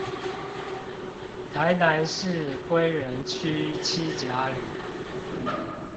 臺南市歸仁區七甲里